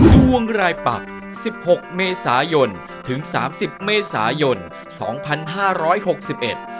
ดวงรายปักสิบหกเมษายนถึงสามสิบเมษายนสองพันห้าร้อยหกสิบเอ็ด